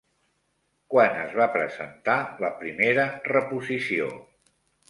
Quan es va presentar la primera reposició?